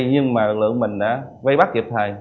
nhưng mà lực lượng mình đã vây bắt kịp thời